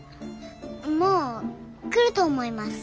もう来ると思います。